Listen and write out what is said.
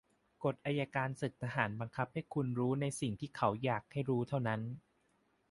"กฎอัยการศึกทหารบังคับให้คุณรู้ในสิ่ง"ที่เขาอยากให้รู้"เท่านั้น"